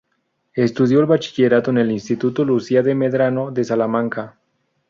Estudió el Bachillerato en el Instituto Lucía de Medrano de Salamanca.